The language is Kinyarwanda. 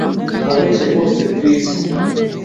Wabeshye rwose Chris